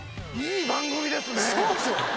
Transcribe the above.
そうですよ！